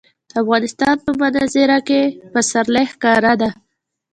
د افغانستان په منظره کې پسرلی ښکاره ده.